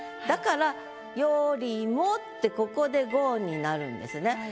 だから「よりも」ってここで五音になるんですね。